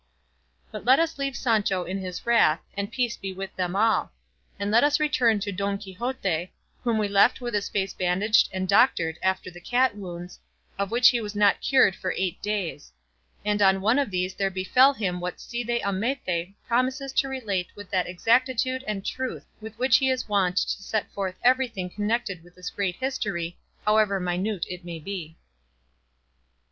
But let us leave Sancho in his wrath, and peace be with them all; and let us return to Don Quixote, whom we left with his face bandaged and doctored after the cat wounds, of which he was not cured for eight days; and on one of these there befell him what Cide Hamete promises to relate with that exactitude and truth with which he is wont to set forth everything connected with this great history, however minute it may be.